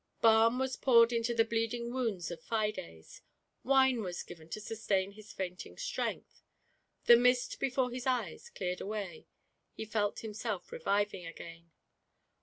Balm was poured into the bleeding wounds of Fides; wine was given to sustain his fainting strength; the mist before his eyes cleared away, he felt himself re viving again.